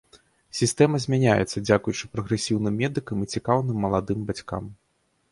Сістэма змяняецца, дзякуючы прагрэсіўным медыкам і цікаўным маладым бацькам.